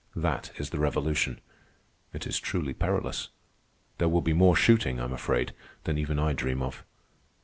That is the revolution. It is truly perilous. There will be more shooting, I am afraid, than even I dream of.